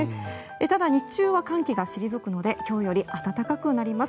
ただ、日中は寒気が退くので今日より暖かくなります。